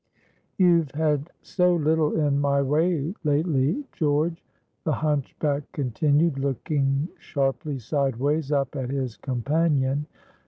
"You've had so little in my way lately, George," the hunchback continued, looking sharply sideways up at his companion.